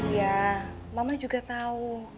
iya mama juga tahu